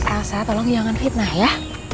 elsa tolong jangan fitnah ya